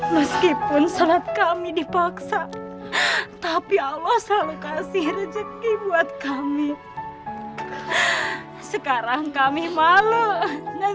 meskipun sholat kami dipaksa tapi allah selalu kasih rezeki buat kami sekarang kami malah naik